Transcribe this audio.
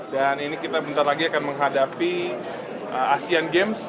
dan ini kita bentar lagi akan menghadapi asean games